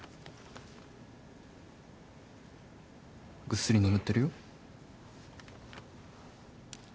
ぐっすり眠ってるよ。